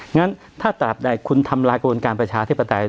งั้นถ้าตราบใดคุณทำลายกระบวนการประชาธิปไตย